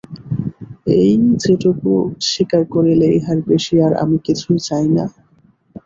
এই যেটুকু স্বীকার করিলে ইহার বেশি আর আমি কিছুই চাই না।